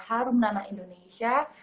harum nama indonesia